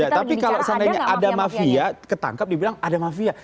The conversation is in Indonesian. tapi kalau seandainya ada mafia ketangkap dibilang ada mafia